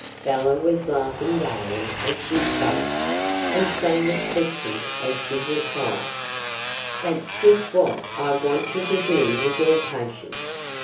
Bella was laughing gaily as she spoke, and so was Christie as she replied: "That's just what I want you to do with your patients.